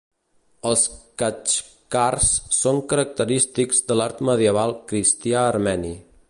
Els "Khatxkars" són característics de l'art medieval cristià armeni.